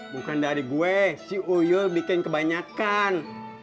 bukan dari gue si uyul bikin kebanyakan